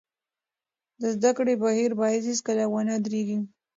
د زده کړې بهیر باید هېڅکله ونه درېږي.